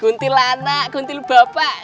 kuntilanak kuntil bapak